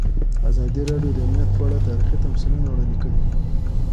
ازادي راډیو د امنیت په اړه تاریخي تمثیلونه وړاندې کړي.